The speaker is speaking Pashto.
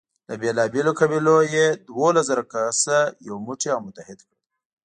له بېلابېلو قبیلو نه یې دولس زره کسه یو موټی او متحد کړل.